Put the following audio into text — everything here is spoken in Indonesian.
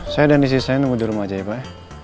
saya dan istri saya nunggu di rumah aja ya pak